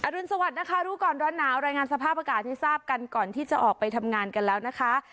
รุนสวัสดิ์นะคะรู้ก่อนร้อนหนาวรายงานสภาพอากาศให้ทราบกันก่อนที่จะออกไปทำงานกันแล้วนะคะ